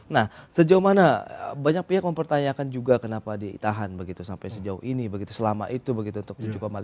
nah sejauh mana banyak pihak mempertanyakan juga kenapa ditahan begitu sampai sejauh ini begitu selama itu begitu untuk tujuh lima